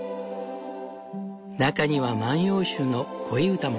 中には万葉集の恋歌も。